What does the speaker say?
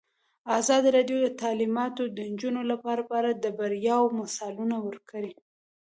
ازادي راډیو د تعلیمات د نجونو لپاره په اړه د بریاوو مثالونه ورکړي.